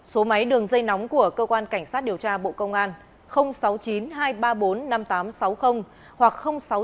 số máy đường dây nóng của cơ quan cảnh sát điều tra bộ công an sáu mươi chín hai trăm ba mươi bốn năm nghìn tám trăm sáu mươi hoặc sáu mươi chín hai trăm ba mươi hai một nghìn sáu trăm sáu mươi